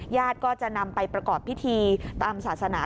ก็จะนำไปประกอบพิธีตามศาสนา